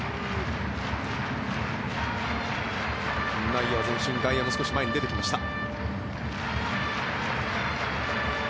内野は前進外野も少し前に出てきました。